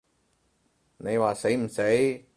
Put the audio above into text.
你話死唔死？